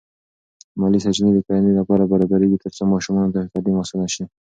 مالی سرچینې د کورنۍ لپاره برابرېږي ترڅو ماشومانو ته تعلیم اسانه شي.